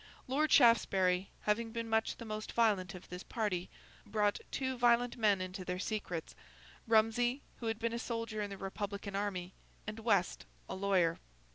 Lord Shaftesbury having been much the most violent of this party, brought two violent men into their secrets—Rumsey, who had been a soldier in the Republican army; and West, a lawyer.